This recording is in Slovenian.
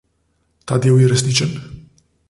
Ta del je resničen.